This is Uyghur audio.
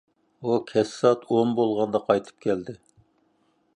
ئۇ كەچ سائەت ئون بولغاندا قايتىپ كەلدى.